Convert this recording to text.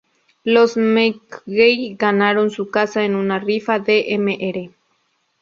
Los McGee ganaron su casa en una rifa de "Mr.